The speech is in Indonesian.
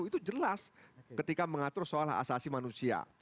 itu jelas ketika mengatur soal asasi manusia